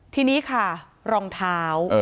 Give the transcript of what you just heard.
ทีนี้ค่ะรองเท้า